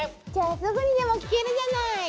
じゃあすぐにでも聞けるじゃない！